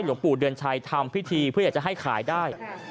หลวงปู่เดือนชัยทำพิธีเพื่ออยากจะให้ขายได้